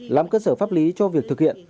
làm cơ sở pháp lý cho việc thực hiện